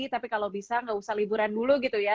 tapi kalau bisa nggak usah liburan dulu gitu ya